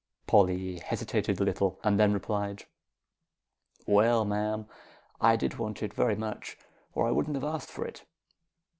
Polly hesitated a little, and then replied, "Well, ma'am, I did want it very much, or I wouldn't have asked for it.